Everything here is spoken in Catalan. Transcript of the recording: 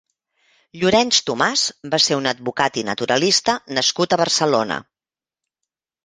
Llorenç Tomàs va ser un advocat i naturalista nascut a Barcelona.